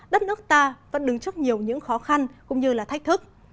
đất nước ta vẫn đứng trước nhiều những khó khăn cũng như là thách thức